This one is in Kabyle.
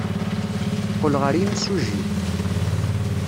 Teqqel ɣer yimsujji.